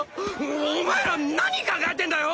お前ら何考えてんだよ！